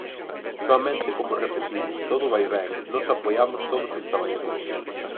Soamente como repetindo: todo vai ben, nós apoiamos todos os traballadores.